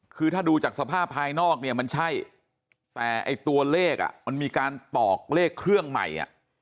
คือถ้าดูจากสภาพภายนอกเนี่ยมันใช่แต่ไอ้ตัวเลขมันมีการตอกเลขเครื่องใหม่